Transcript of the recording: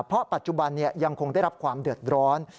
เพราะปัจจุบันยังคงได้รับความเดือดร้อน